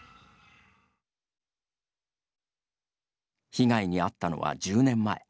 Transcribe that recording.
被害に遭ったのは１０年前。